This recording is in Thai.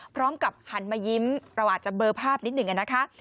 พร้อมกับหันมายิ้มเราอาจจะเบอร์ภาพนิดหนึ่งนะคะ